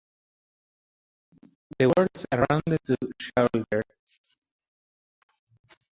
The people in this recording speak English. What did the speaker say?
The whorls are rounded to shouldered.